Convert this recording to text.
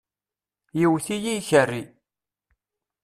Yewwet-iyi yikerri.